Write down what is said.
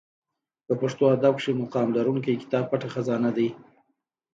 په پښتو ادب کښي مقام لرونکى کتاب پټه خزانه دئ.